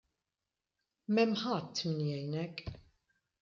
M'hemm ħadd min jgħinek.